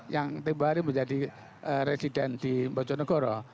yang tiba tiba menjadi resident di bojonegoro